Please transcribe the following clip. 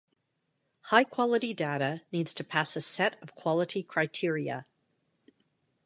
High-quality data needs to pass a set of quality criteria.